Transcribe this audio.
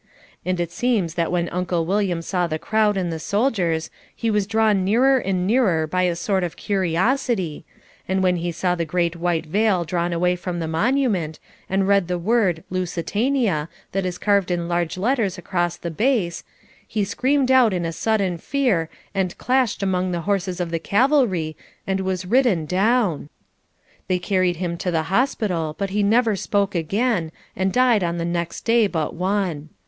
And it seems that when Uncle William saw the crowd and the soldiers he was drawn nearer and nearer by a sort of curiosity, and when he saw the great white veil drawn away from the monument, and read the word "Lusitania" that is carved in large letters across the base, he screamed out in a sudden fear, and clashed among the horses of the cavalry and was ridden down. They carried him to the hospital, but he never spoke again, and died on the next day but one.